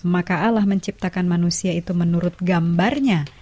maka allah menciptakan manusia itu menurut gambarnya